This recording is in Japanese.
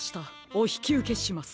おひきうけします。